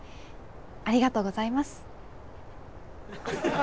ありがとうございます。